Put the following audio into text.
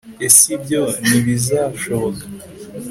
ese ibyo ntibizashoboka